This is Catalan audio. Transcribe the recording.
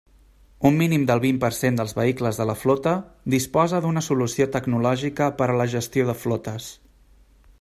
Un mínim del vint per cent dels vehicles de la flota disposa d'una solució tecnològica per a la gestió de flotes.